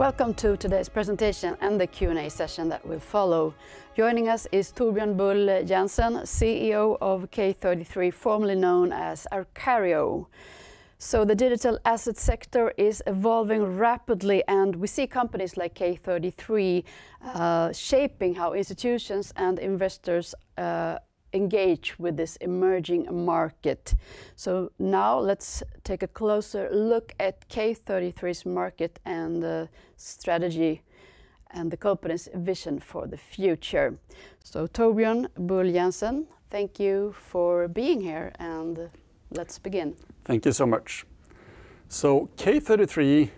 Welcome to today's presentation and the Q&A session that will follow. Joining us is Torbjørn Bull Jenssen, CEO of K33, formerly known as Arcario. The digital asset sector is evolving rapidly, and we see companies like K33 shaping how institutions and investors engage with this emerging market. Now let's take a closer look at K33's market and strategy and the company's vision for the future. Torbjørn Bull Jenssen, thank you for being here, and let's begin. Thank you so much. So K33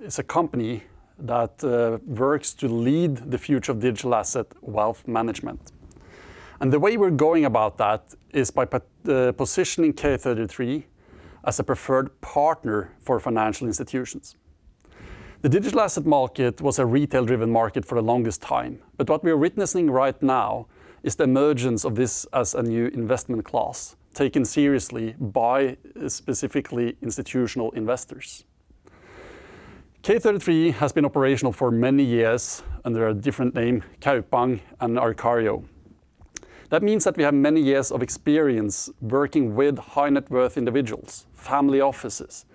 is a company that works to lead the future of digital asset wealth management. And the way we're going about that is by positioning K33 as a preferred partner for financial institutions. The digital asset market was a retail-driven market for the longest time, but what we are witnessing right now is the emergence of this as a new investment class taken seriously by specifically institutional investors. K33 has been operational for many years, under a different name, Kaupang and Arcario. That means that we have many years of experience working with high-net-worth individuals, family offices.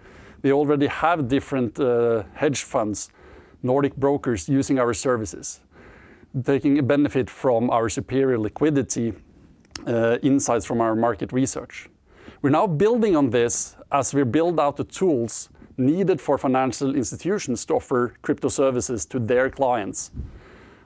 We already have different hedge funds, Nordic brokers using our services, taking a benefit from our superior liquidity insights from our market research. We're now building on this as we build out the tools needed for financial institutions to offer crypto services to their clients.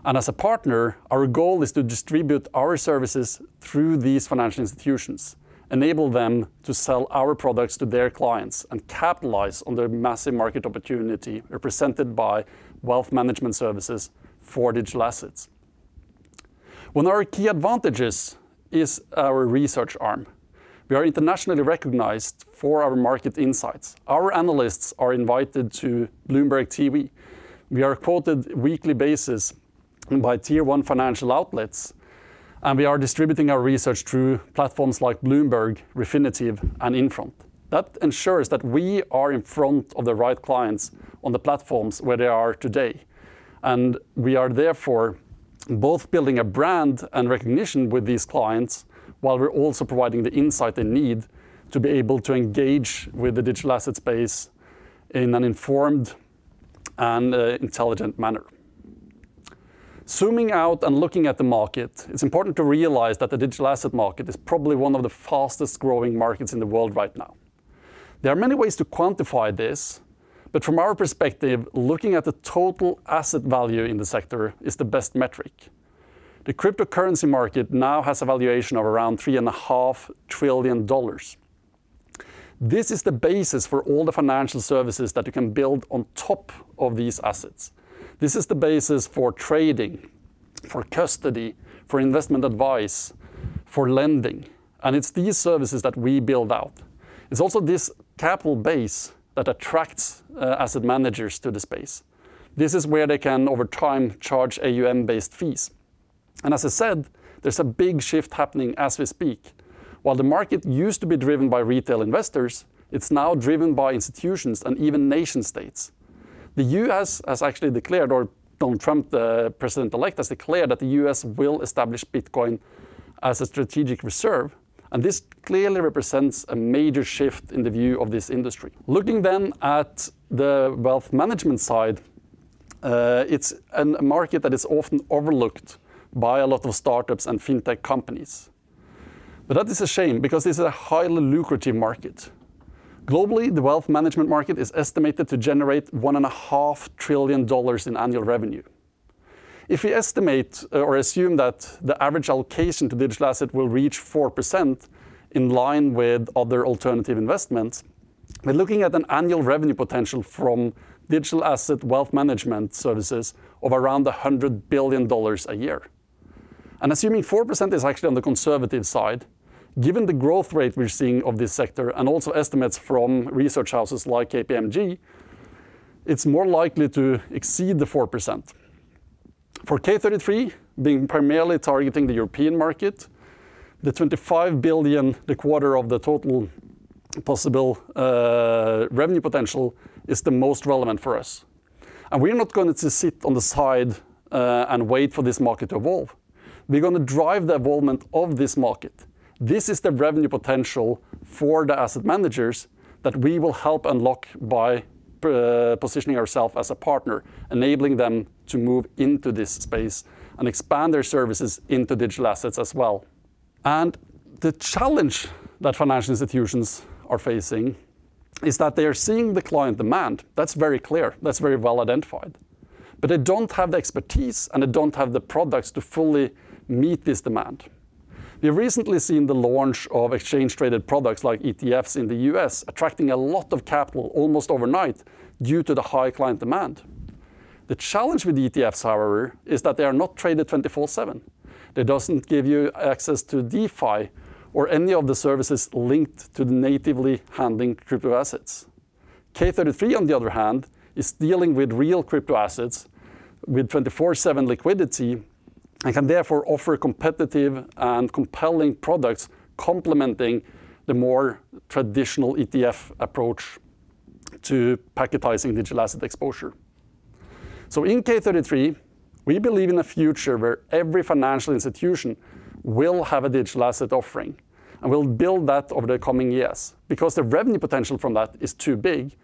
And as a partner, our goal is to distribute our services through these financial institutions, enable them to sell our products to their clients, and capitalize on their massive market opportunity represented by wealth management services for digital assets. One of our key advantages is our research arm. We are internationally recognized for our market insights. Our analysts are invited to Bloomberg TV. We are quoted on a weekly basis by tier-one financial outlets, and we are distributing our research through platforms like Bloomberg, Refinitiv, and Infront. That ensures that we are in front of the right clients on the platforms where they are today. And we are therefore both building a brand and recognition with these clients, while we're also providing the insight they need to be able to engage with the digital asset space in an informed and intelligent manner. Zooming out and looking at the market, it's important to realize that the digital asset market is probably one of the fastest-growing markets in the world right now. There are many ways to quantify this, but from our perspective, looking at the total asset value in the sector is the best metric. The cryptocurrency market now has a valuation of around $3.5 trillion. This is the basis for all the financial services that you can build on top of these assets. This is the basis for trading, for custody, for investment advice, for lending. And it's these services that we build out. It's also this capital base that attracts asset managers to the space. This is where they can, over time, charge AUM-based fees. And as I said, there's a big shift happening as we speak. While the market used to be driven by retail investors, it's now driven by institutions and even nation-states. The U.S. has actually declared, or Donald Trump, the President-elect, has declared that the U.S. will establish Bitcoin as a strategic reserve, and this clearly represents a major shift in the view of this industry. Looking then at the wealth management side, it's a market that is often overlooked by a lot of startups and fintech companies, but that is a shame because this is a highly lucrative market. Globally, the wealth management market is estimated to generate $1.5 trillion in annual revenue. If we estimate or assume that the average allocation to digital assets will reach 4% in line with other alternative investments, we're looking at an annual revenue potential from digital asset wealth management services of around $100 billion a year. And assuming 4% is actually on the conservative side, given the growth rate we're seeing of this sector and also estimates from research houses like KPMG, it's more likely to exceed the 4%. For K33, being primarily targeting the European market, the $25 billion, the quarter of the total possible revenue potential, is the most relevant for us. And we're not going to sit on the side and wait for this market to evolve. We're going to drive the evolvement of this market. This is the revenue potential for the asset managers that we will help unlock by positioning ourselves as a partner, enabling them to move into this space and expand their services into digital assets as well. And the challenge that financial institutions are facing is that they are seeing the client demand. That's very clear. That's very well identified. But they don't have the expertise, and they don't have the products to fully meet this demand. We have recently seen the launch of exchange-traded products like ETFs in the U.S. attracting a lot of capital almost overnight due to the high client demand. The challenge with ETFs, however, is that they are not traded 24/7. That doesn't give you access to DeFi or any of the services linked to natively handling crypto assets. K33, on the other hand, is dealing with real crypto assets with 24/7 liquidity and can therefore offer competitive and compelling products complementing the more traditional ETF approach to packetizing digital asset exposure. So in K33, we believe in a future where every financial institution will have a digital asset offering and will build that over the coming years because the revenue potential from that is too big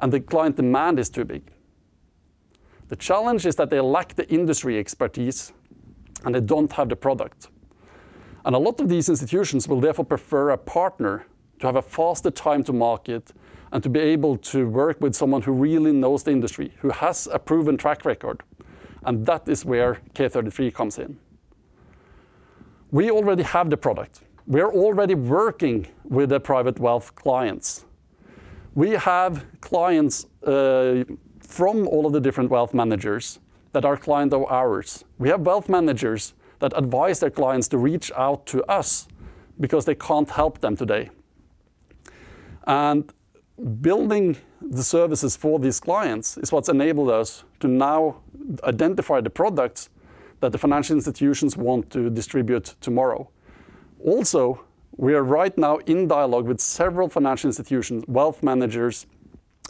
and the client demand is too big. The challenge is that they lack the industry expertise and they don't have the product, and a lot of these institutions will therefore prefer a partner to have a faster time to market and to be able to work with someone who really knows the industry, who has a proven track record, and that is where K33 comes in. We already have the product. We are already working with the private wealth clients. We have clients from all of the different wealth managers that are clients of ours. We have wealth managers that advise their clients to reach out to us because they can't help them today, and building the services for these clients is what's enabled us to now identify the products that the financial institutions want to distribute tomorrow. Also, we are right now in dialogue with several financial institutions, wealth managers,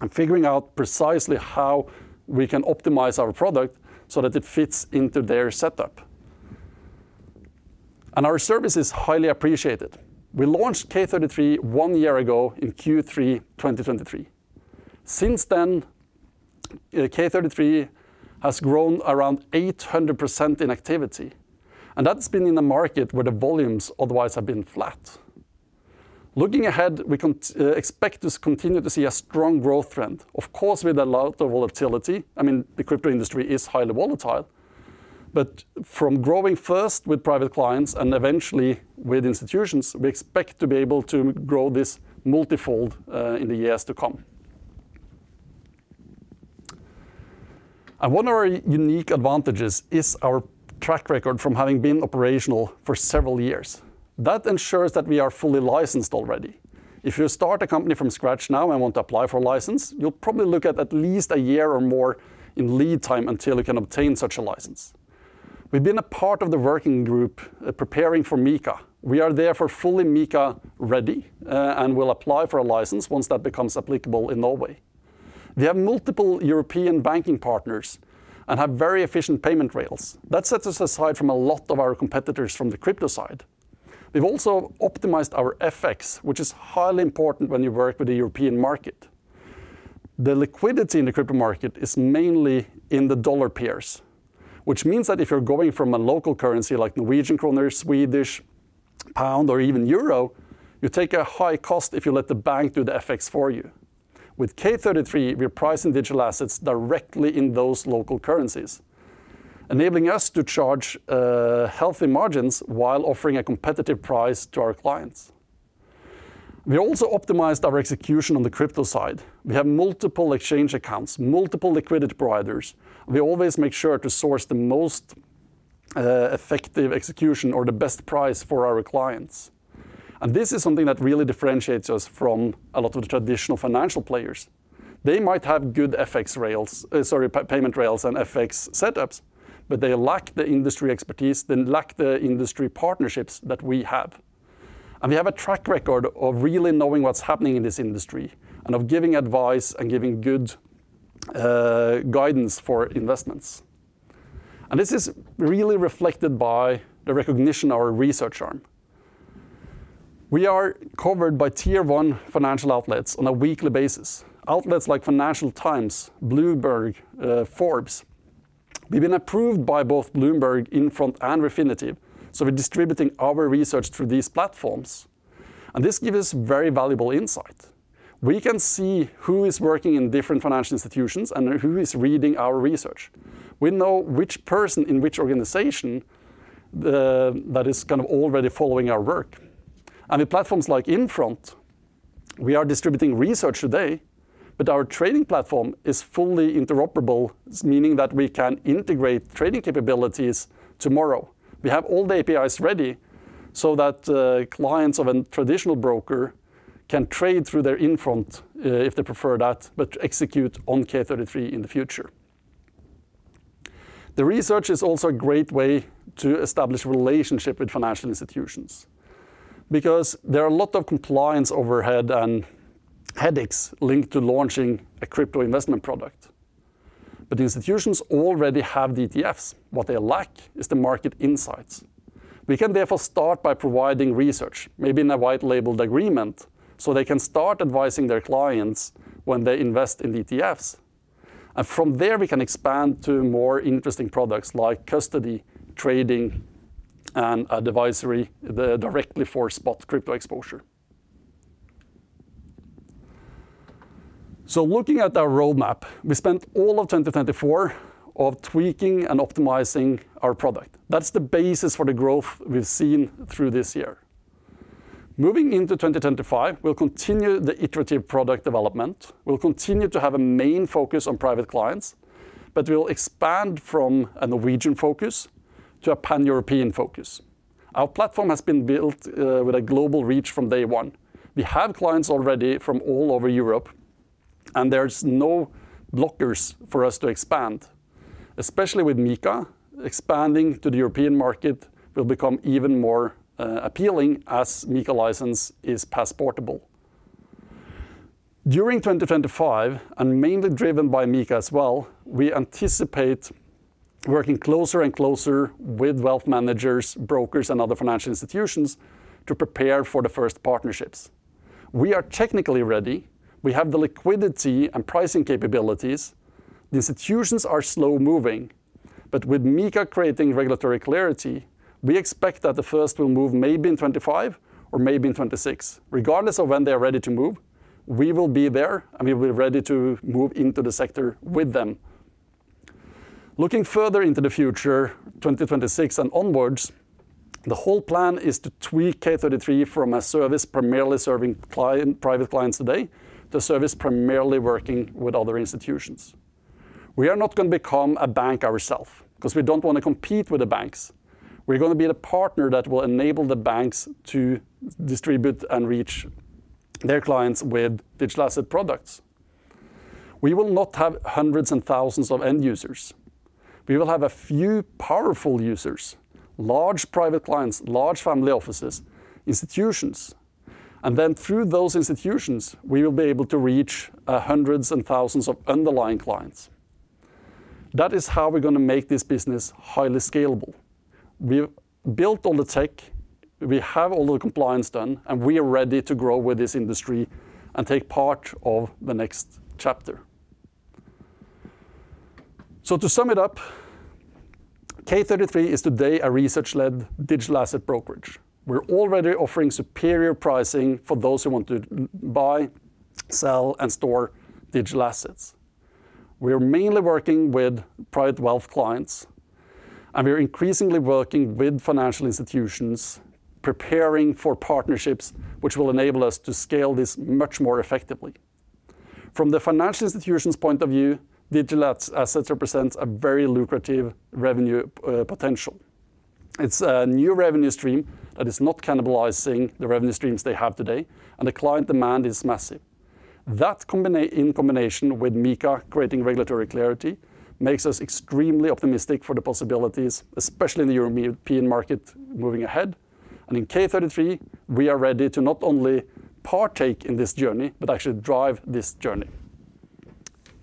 and figuring out precisely how we can optimize our product so that it fits into their setup, and our service is highly appreciated. We launched K33 one year ago in Q3 2023. Since then, K33 has grown around 800% in activity, and that's been in a market where the volumes otherwise have been flat. Looking ahead, we expect to continue to see a strong growth trend, of course, with a lot of volatility. I mean, the crypto industry is highly volatile, but from growing first with private clients and eventually with institutions, we expect to be able to grow this multi-fold in the years to come, and one of our unique advantages is our track record from having been operational for several years. That ensures that we are fully licensed already. If you start a company from scratch now and want to apply for a license, you'll probably look at at least a year or more in lead time until you can obtain such a license. We've been a part of the working group preparing for MiCA. We are therefore fully MiCA-ready and will apply for a license once that becomes applicable in Norway. We have multiple European banking partners and have very efficient payment rails. That sets us aside from a lot of our competitors from the crypto side. We've also optimized our FX, which is highly important when you work with the European market. The liquidity in the crypto market is mainly in the dollar pairs, which means that if you're going from a local currency like Norwegian kroner, Swedish krona, or even euro, you take a high cost if you let the bank do the FX for you. With K33, we're pricing digital assets directly in those local currencies, enabling us to charge healthy margins while offering a competitive price to our clients. We also optimized our execution on the crypto side. We have multiple exchange accounts, multiple liquidity providers. We always make sure to source the most effective execution or the best price for our clients. And this is something that really differentiates us from a lot of the traditional financial players. They might have good FX rails, sorry, payment rails and FX setups, but they lack the industry expertise. They lack the industry partnerships that we have. And we have a track record of really knowing what's happening in this industry and of giving advice and giving good guidance for investments. And this is really reflected by the recognition of our research arm. We are covered by tier-one financial outlets on a weekly basis, outlets like Financial Times, Bloomberg, Forbes. We've been approved by both Bloomberg, Infront, and Refinitiv, so we're distributing our research through these platforms, and this gives us very valuable insight. We can see who is working in different financial institutions and who is reading our research. We know which person in which organization that is kind of already following our work, and the platforms like Infront, we are distributing research today, but our trading platform is fully interoperable, meaning that we can integrate trading capabilities tomorrow. We have all the APIs ready so that clients of a traditional broker can trade through their Infront if they prefer that, but execute on K33 in the future. The research is also a great way to establish a relationship with financial institutions because there are a lot of compliance overhead and headaches linked to launching a crypto investment product. But the institutions already have the ETFs. What they lack is the market insights. We can therefore start by providing research, maybe in a white-labeled agreement, so they can start advising their clients when they invest in ETFs. And from there, we can expand to more interesting products like custody, trading, and advisory directly for spot crypto exposure. So looking at our roadmap, we spent all of 2024 tweaking and optimizing our product. That's the basis for the growth we've seen through this year. Moving into 2025, we'll continue the iterative product development. We'll continue to have a main focus on private clients, but we'll expand from a Norwegian focus to a pan-European focus. Our platform has been built with a global reach from day one. We have clients already from all over Europe, and there's no blockers for us to expand, especially with MiCA expanding to the European market. It will become even more appealing as MiCA license is passportable. During 2025, and mainly driven by MiCA as well, we anticipate working closer and closer with wealth managers, brokers, and other financial institutions to prepare for the first partnerships. We are technically ready. We have the liquidity and pricing capabilities. The institutions are slow-moving, but with MiCA creating regulatory clarity, we expect that the first will move maybe in 2025 or maybe in 2026. Regardless of when they are ready to move, we will be there, and we will be ready to move into the sector with them. Looking further into the future, 2026 and onwards, the whole plan is to tweak K33 from a service primarily serving private clients today to a service primarily working with other institutions. We are not going to become a bank ourselves because we don't want to compete with the banks. We're going to be the partner that will enable the banks to distribute and reach their clients with digital asset products. We will not have hundreds and thousands of end users. We will have a few powerful users, large private clients, large family offices, institutions, and then through those institutions, we will be able to reach hundreds and thousands of underlying clients. That is how we're going to make this business highly scalable. We've built all the tech. We have all the compliance done, and we are ready to grow with this industry and take part of the next chapter. To sum it up, K33 is today a research-led digital asset brokerage. We're already offering superior pricing for those who want to buy, sell, and store digital assets. We're mainly working with private wealth clients, and we're increasingly working with financial institutions, preparing for partnerships which will enable us to scale this much more effectively. From the financial institution's point of view, digital assets represent a very lucrative revenue potential. It's a new revenue stream that is not cannibalizing the revenue streams they have today, and the client demand is massive. That in combination with MiCA creating regulatory clarity makes us extremely optimistic for the possibilities, especially in the European market moving ahead. In K33, we are ready to not only partake in this journey, but actually drive this journey.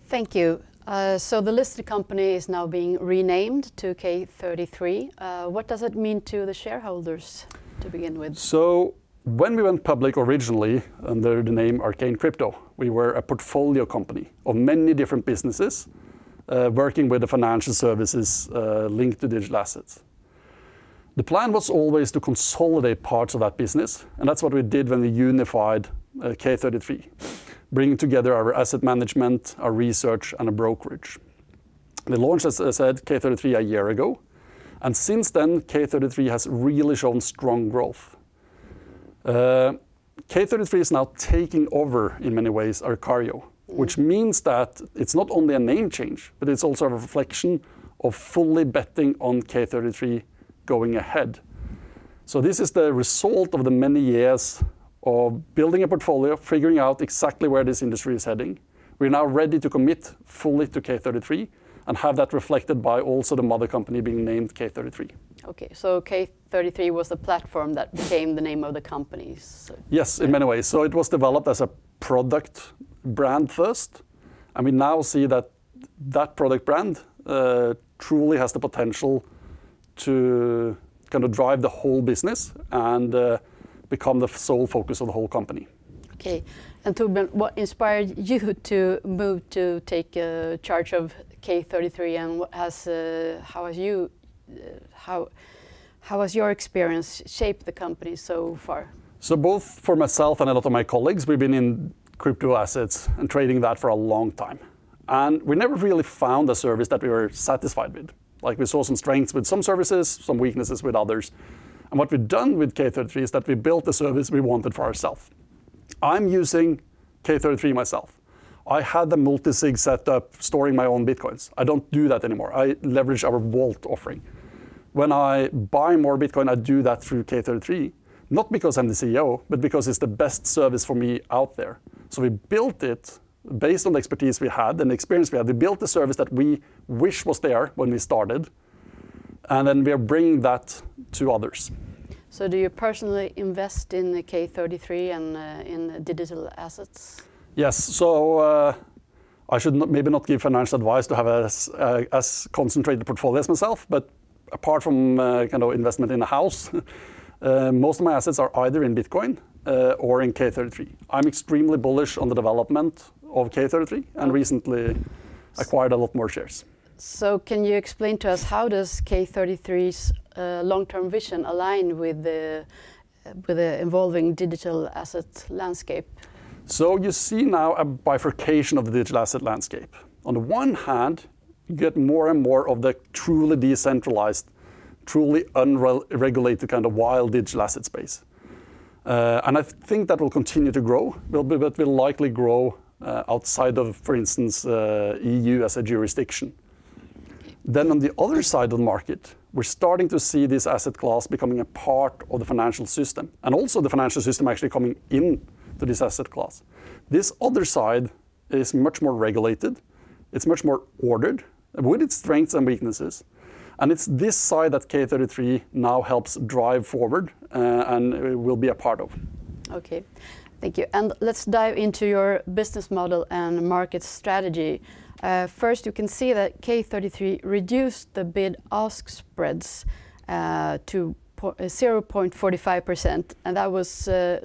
Thank you. The listed company is now being renamed to K33. What does it mean to the shareholders to begin with? So when we went public originally under the name Arcane Crypto, we were a portfolio company of many different businesses working with the financial services linked to digital assets. The plan was always to consolidate parts of that business, and that's what we did when we unified K33, bringing together our asset management, our research, and our brokerage. We launched, as I said, K33 a year ago, and since then, K33 has really shown strong growth. K33 is now taking over in many ways our Arcario, which means that it's not only a name change, but it's also a reflection of fully betting on K33 going ahead. So this is the result of the many years of building a portfolio, figuring out exactly where this industry is heading. We're now ready to commit fully to K33 and have that reflected by also the mother company being named K33. Okay. So K33 was the platform that became the name of the company. Yes, in many ways. So it was developed as a product brand first. And we now see that that product brand truly has the potential to kind of drive the whole business and become the sole focus of the whole company. Okay. And Torbjørn, what inspired you to move to take charge of K33? And how has your experience shaped the company so far? So both for myself and a lot of my colleagues, we've been in crypto assets and trading that for a long time. And we never really found a service that we were satisfied with. We saw some strengths with some services, some weaknesses with others. What we've done with K33 is that we built the service we wanted for ourselves. I'm using K33 myself. I had the multisig setup storing my own Bitcoins. I don't do that anymore. I leverage our vault offering. When I buy more Bitcoin, I do that through K33, not because I'm the CEO, but because it's the best service for me out there. We built it based on the expertise we had and the experience we had. We built the service that we wish was there when we started, and then we are bringing that to others. Do you personally invest in K33 and in digital assets? Yes. I should maybe not give financial advice to have a concentrated portfolio as myself, but apart from kind of investment in a house, most of my assets are either in Bitcoin or in K33. I'm extremely bullish on the development of K33 and recently acquired a lot more shares. So can you explain to us how does K33's long-term vision align with the evolving digital asset landscape? So you see now a bifurcation of the digital asset landscape. On the one hand, you get more and more of the truly decentralized, truly unregulated kind of wild digital asset space. And I think that will continue to grow, but will likely grow outside of, for instance, the EU as a jurisdiction. Then on the other side of the market, we're starting to see this asset class becoming a part of the financial system and also the financial system actually coming into this asset class. This other side is much more regulated. It's much more ordered with its strengths and weaknesses. And it's this side that K33 now helps drive forward and will be a part of. Okay. Thank you. And let's dive into your business model and market strategy. First, you can see that K33 reduced the bid-ask spreads to 0.45%. And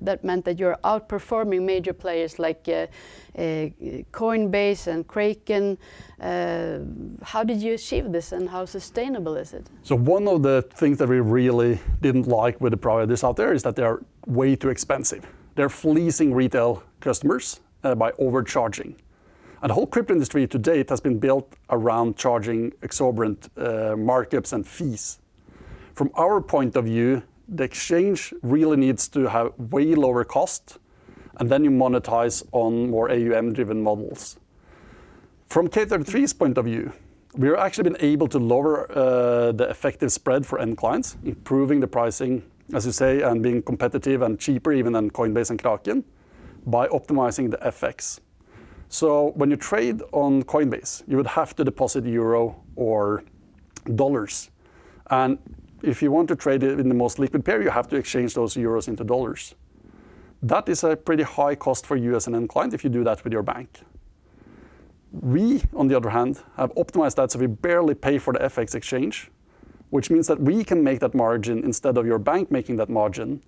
that meant that you're outperforming major players like Coinbase and Kraken. How did you achieve this, and how sustainable is it? So one of the things that we really didn't like with the providers out there is that they are way too expensive. They're fleecing retail customers by overcharging. And the whole crypto industry today has been built around charging exorbitant markups and fees. From our point of view, the exchange really needs to have way lower costs, and then you monetize on more AUM-driven models. From K33's point of view, we've actually been able to lower the effective spread for end clients, improving the pricing, as you say, and being competitive and cheaper even than Coinbase and Kraken by optimizing the FX. So when you trade on Coinbase, you would have to deposit euro or dollars. And if you want to trade it in the most liquid pair, you have to exchange those euros into dollars. That is a pretty high cost for you as an end client if you do that with your bank. We, on the other hand, have optimized that, so we barely pay for the FX exchange, which means that we can make that margin instead of your bank making that margin,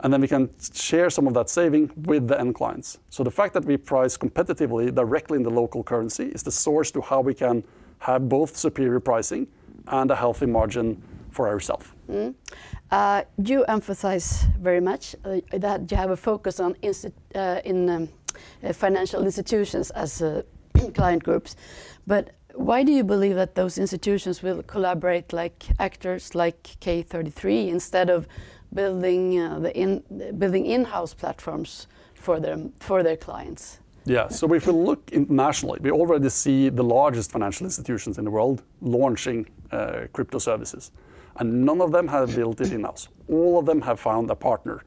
and then we can share some of that saving with the end clients. The fact that we price competitively directly in the local currency is the source to how we can have both superior pricing and a healthy margin for ourselves. You emphasize very much that you have a focus on financial institutions as client groups. But why do you believe that those institutions will collaborate with actors like K33 instead of building in-house platforms for their clients? Yeah. So if we look internationally, we already see the largest financial institutions in the world launching crypto services, and none of them have built it in-house. All of them have found a partner.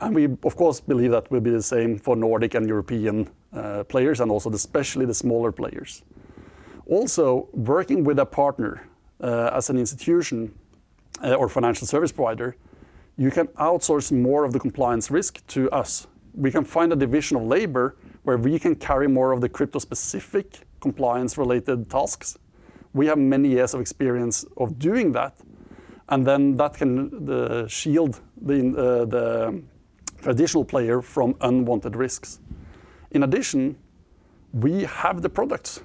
And we, of course, believe that will be the same for Nordic and European players and also especially the smaller players. Also, working with a partner as an institution or financial service provider, you can outsource more of the compliance risk to us. We can find a division of labor where we can carry more of the crypto-specific compliance-related tasks. We have many years of experience of doing that, and then that can shield the traditional player from unwanted risks. In addition, we have the products.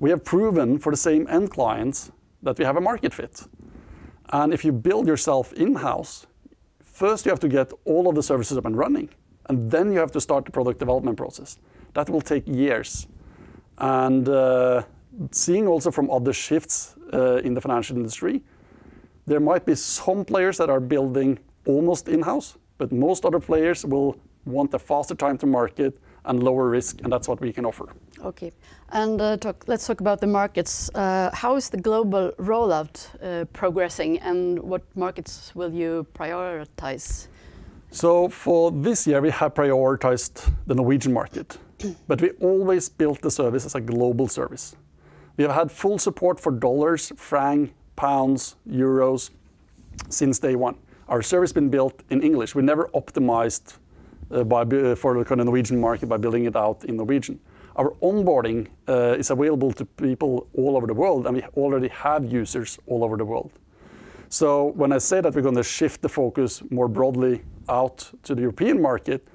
We have proven for the same end clients that we have a market fit. And if you build yourself in-house, first you have to get all of the services up and running, and then you have to start the product development process. That will take years. And seeing also from other shifts in the financial industry, there might be some players that are building almost in-house, but most other players will want a faster time to market and lower risk, and that's what we can offer. Okay. And let's talk about the markets. How is the global rollout progressing, and what markets will you prioritize? So for this year, we have prioritized the Norwegian market, but we always built the service as a global service. We have had full support for dollars, francs, pounds, euros since day one. Our service has been built in English. We never optimized for the Norwegian market by building it out in Norwegian. Our onboarding is available to people all over the world, and we already have users all over the world. So when I say that we're going to shift the focus more broadly out to the European market,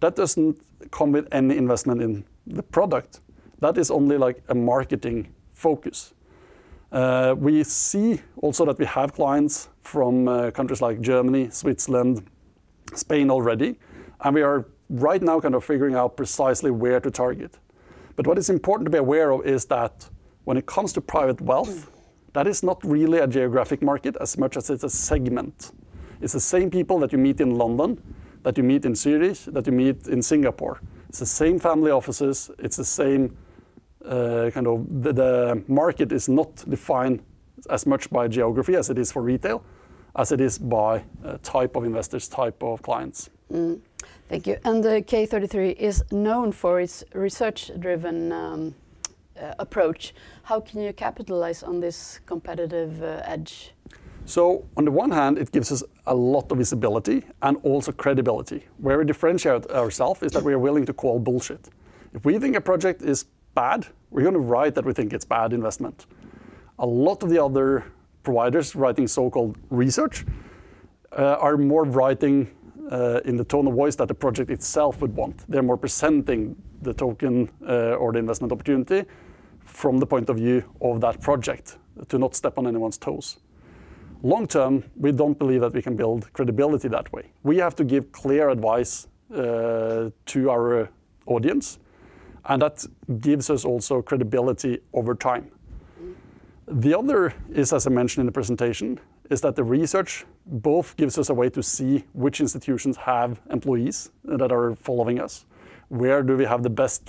that doesn't come with any investment in the product. That is only like a marketing focus. We see also that we have clients from countries like Germany, Switzerland, Spain already, and we are right now kind of figuring out precisely where to target. But what is important to be aware of is that when it comes to private wealth, that is not really a geographic market as much as it's a segment. It's the same people that you meet in London, that you meet in Zurich, that you meet in Singapore. It's the same family offices. It's the same kind of the market is not defined as much by geography as it is for retail, as it is by type of investors, type of clients. Thank you. And K33 is known for its research-driven approach. How can you capitalize on this competitive edge? So on the one hand, it gives us a lot of visibility and also credibility. Where we differentiate ourselves is that we are willing to call bullshit. If we think a project is bad, we're going to write that we think it's bad investment. A lot of the other providers writing so-called research are more writing in the tone of voice that the project itself would want. They're more presenting the token or the investment opportunity from the point of view of that project to not step on anyone's toes. Long term, we don't believe that we can build credibility that way. We have to give clear advice to our audience, and that gives us also credibility over time. The other is, as I mentioned in the presentation, that the research both gives us a way to see which institutions have employees that are following us, where do we have the best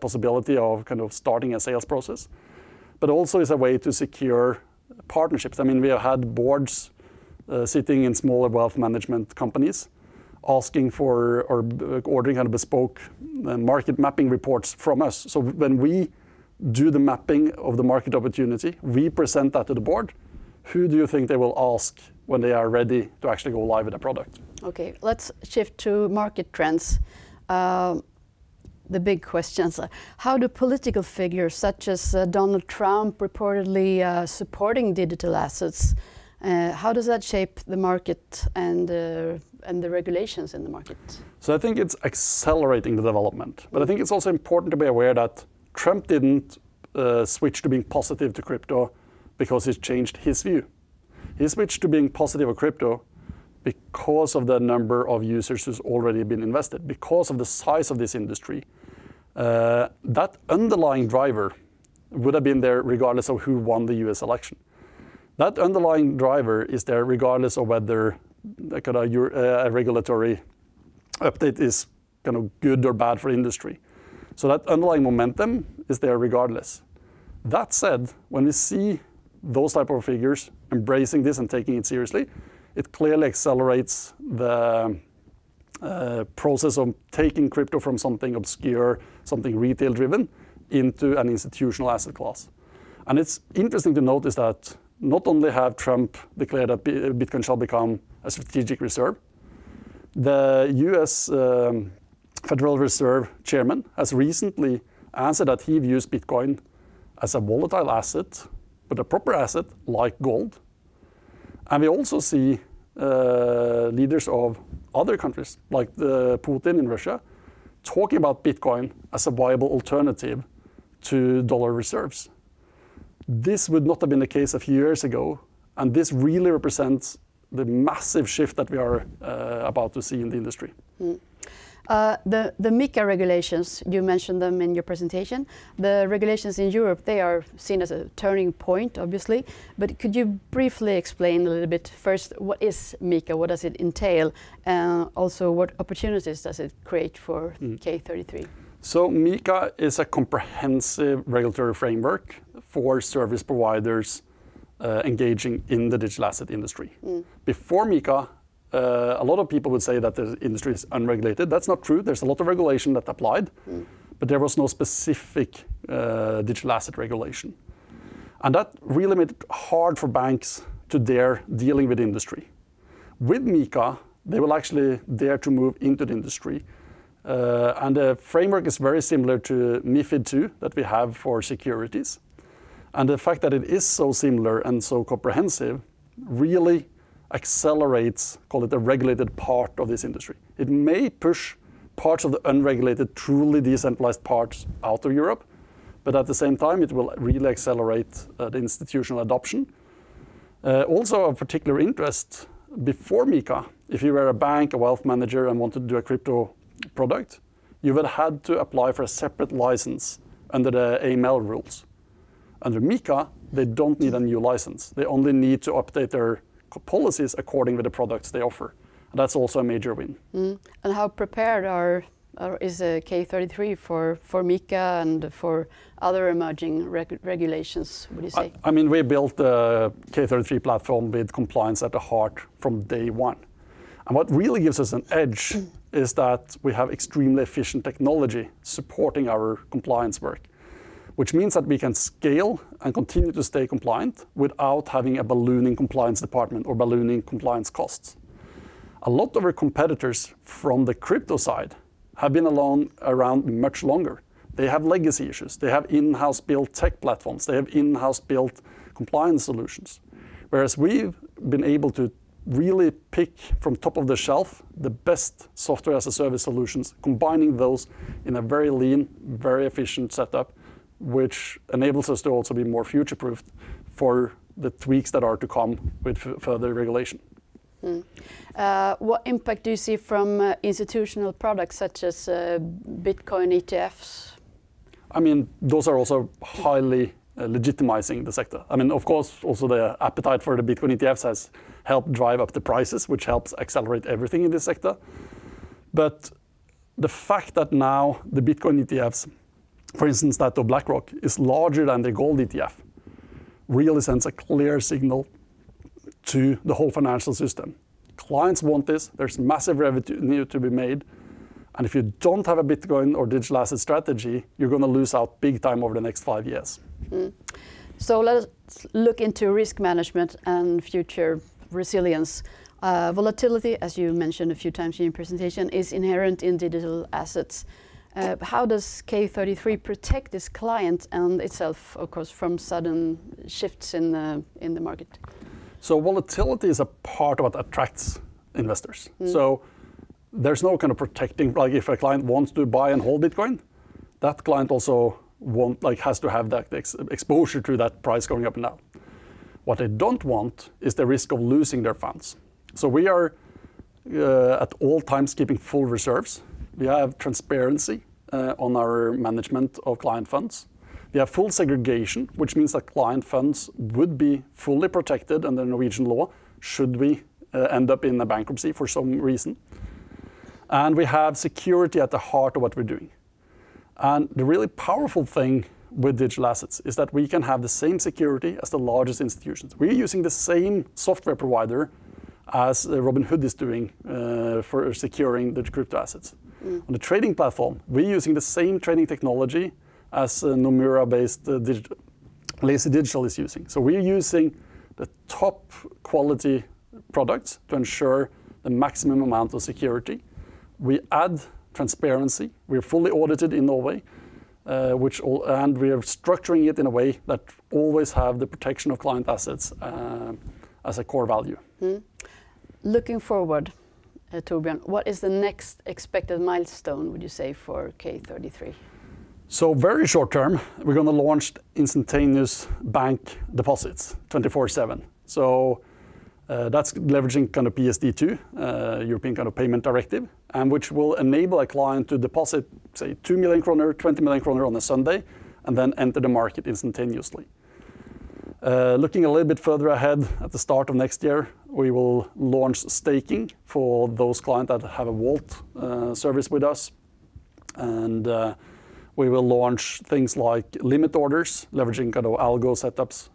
possibility of kind of starting a sales process, but also is a way to secure partnerships. I mean, we have had boards sitting in smaller wealth management companies asking for or ordering kind of bespoke market mapping reports from us. So when we do the mapping of the market opportunity, we present that to the board. Who do you think they will ask when they are ready to actually go live with a product? Okay. Let's shift to market trends. The big questions, how do political figures such as Donald Trump reportedly supporting digital assets, how does that shape the market and the regulations in the market? So I think it's accelerating the development, but I think it's also important to be aware that Trump didn't switch to being positive to crypto because he's changed his view. He switched to being positive of crypto because of the number of users who's already been invested, because of the size of this industry. That underlying driver would have been there regardless of who won the US election. That underlying driver is there regardless of whether a regulatory update is kind of good or bad for the industry. So that underlying momentum is there regardless. That said, when we see those types of figures embracing this and taking it seriously, it clearly accelerates the process of taking crypto from something obscure, something retail-driven into an institutional asset class. And it's interesting to notice that not only have Trump declared that Bitcoin shall become a strategic reserve, the U.S. Federal Reserve Chairman has recently answered that he views Bitcoin as a volatile asset, but a proper asset like gold. And we also see leaders of other countries like Putin in Russia talking about Bitcoin as a viable alternative to dollar reserves. This would not have been the case a few years ago, and this really represents the massive shift that we are about to see in the industry. The MiCA regulations, you mentioned them in your presentation. The regulations in Europe, they are seen as a turning point, obviously. But could you briefly explain a little bit first, what is MiCA? What does it entail? And also, what opportunities does it create for K33? So MiCA is a comprehensive regulatory framework for service providers engaging in the digital asset industry. Before MiCA, a lot of people would say that the industry is unregulated. That's not true. There's a lot of regulation that applied, but there was no specific digital asset regulation. And that really made it hard for banks to dare dealing with the industry. With MiCA, they will actually dare to move into the industry. And the framework is very similar to MiFID II that we have for securities. The fact that it is so similar and so comprehensive really accelerates, call it the regulated part of this industry. It may push parts of the unregulated, truly decentralized parts out of Europe, but at the same time, it will really accelerate the institutional adoption. Also, of particular interest, before MiCA, if you were a bank, a wealth manager, and wanted to do a crypto product, you would have had to apply for a separate license under the AML rules. Under MiCA, they don't need a new license. They only need to update their policies according to the products they offer. That's also a major win. How prepared is K33 for MiCA and for other emerging regulations, would you say? I mean, we built the K33 platform with compliance at the heart from day one. What really gives us an edge is that we have extremely efficient technology supporting our compliance work, which means that we can scale and continue to stay compliant without having a ballooning compliance department or ballooning compliance costs. A lot of our competitors from the crypto side have been around much longer. They have legacy issues. They have in-house built tech platforms. They have in-house built compliance solutions. Whereas we've been able to really pick from off the shelf the best software as a service solutions, combining those in a very lean, very efficient setup, which enables us to also be more future-proofed for the tweaks that are to come with further regulation. What impact do you see from institutional products such as Bitcoin ETFs? I mean, those are also highly legitimizing the sector. I mean, of course, also the appetite for the Bitcoin ETFs has helped drive up the prices, which helps accelerate everything in this sector. But the fact that now the Bitcoin ETFs, for instance, that of BlackRock, is larger than the gold ETF, really sends a clear signal to the whole financial system. Clients want this. There's massive revenue to be made. And if you don't have a Bitcoin or digital asset strategy, you're going to lose out big time over the next five years. So let's look into risk management and future resilience. Volatility, as you mentioned a few times in your presentation, is inherent in digital assets. How does K33 protect this client and itself, of course, from sudden shifts in the market? So volatility is a part of what attracts investors. So there's no kind of protecting if a client wants to buy and hold Bitcoin, that client also has to have that exposure to that price going up and down. What they don't want is the risk of losing their funds. So we are at all times keeping full reserves. We have transparency on our management of client funds. We have full segregation, which means that client funds would be fully protected under Norwegian law should we end up in a bankruptcy for some reason. And we have security at the heart of what we're doing. And the really powerful thing with digital assets is that we can have the same security as the largest institutions. We're using the same software provider as Robinhood is doing for securing the crypto assets. On the trading platform, we're using the same trading technology as Nomura-based Laser Digital is using. So we're using the top quality products to ensure the maximum amount of security. We add transparency. We're fully audited in Norway, and we are structuring it in a way that always has the protection of client assets as a core value. Looking forward, Torbjørn, what is the next expected milestone, would you say, for K33? So very short term, we're going to launch instantaneous bank deposits 24/7. So that's leveraging kind of PSD2, European kind of payment directive, which will enable a client to deposit, say, 2 million kroner, 20 million kroner on a Sunday, and then enter the market instantaneously. Looking a little bit further ahead, at the start of next year, we will launch staking for those clients that have a vault service with us. And we will launch things like limit orders, leveraging kind of algo setups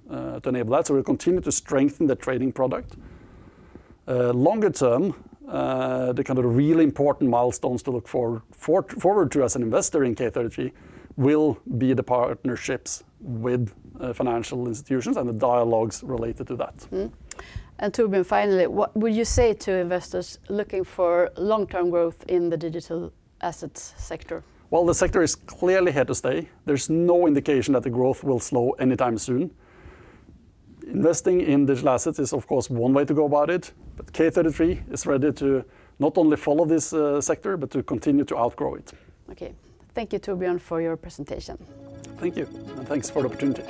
to enable that. So we'll continue to strengthen the trading product. Longer term, the kind of really important milestones to look forward to as an investor in K33 will be the partnerships with financial institutions and the dialogues related to that. And Torbjørn, finally, what would you say to investors looking for long-term growth in the digital assets sector? Well, the sector is clearly here to stay. There's no indication that the growth will slow anytime soon. Investing in digital assets is, of course, one way to go about it. But K33 is ready to not only follow this sector, but to continue to outgrow it. Okay. Thank you, Torbjørn, for your presentation. Thank you. And thanks for the opportunity.